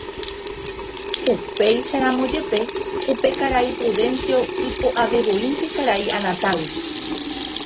Upéicharamo jepe, upe karai Prudencio ipo'avevoínte karai Anatágui.